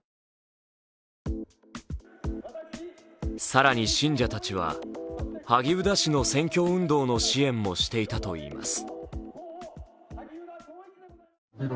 更に、信者たちは萩生田氏の選挙運動の支援もしていたといいます。